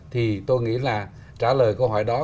thì tôi nghĩ là trả lời câu hỏi đó